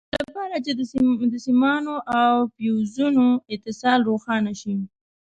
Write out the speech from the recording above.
د دې لپاره چې د سیمانو او فیوزونو اتصال روښانه شي.